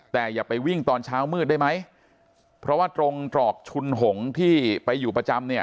แต่อย่าไปวิ่งตอนเช้ามืดได้ไหมเพราะว่าตรงตรอกชุนหงที่ไปอยู่ประจำเนี่ย